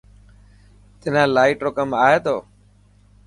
تنا لائٽ رو ڪم آڻي تو.